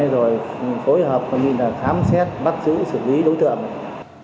rồi phối hợp với lực lượng khác trong công tác xác binh